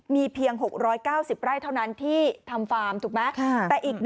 มีเพียง๖๙๐ไร่เท่านั้นที่ทำฟาร์มถูกไหม